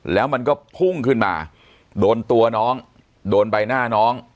แล้วมันก็พุ่งขึ้นมาโดนตัวน้องโดนใบหน้าน้อง